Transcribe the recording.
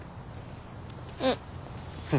うん。